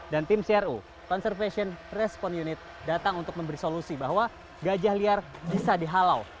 dan tim cru conservation restoran unit datang untuk memberi solusi bahwa gajah liar bisa dihalau